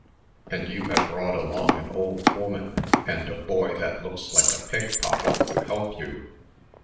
And you have brought along an old woman, and a boy that looks like a pickpocket, to help you."